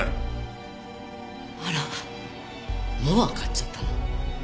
あらもうわかっちゃったの？